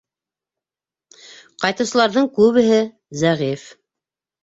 Ҡайтыусыларҙың күбеһе зәғиф.